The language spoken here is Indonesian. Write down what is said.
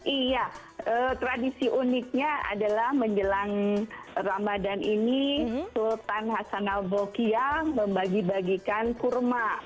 iya tradisi uniknya adalah menjelang ramadan ini sultan hasan al bokia membagi bagikan kurma